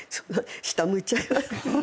下向いちゃいます。